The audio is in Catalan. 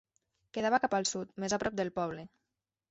Quedava cap al sud, més a prop del poble.